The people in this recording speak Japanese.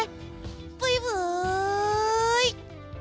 ブイブイ！